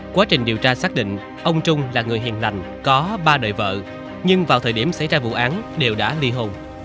quá trình điều tra xác định ông trung là người hiền lành có ba đời vợ nhưng vào thời điểm xảy ra vụ án đều đã ly hôn